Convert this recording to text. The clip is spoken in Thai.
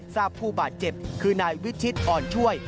ผู้บาดเจ็บคือนายวิชิตอ่อนช่วย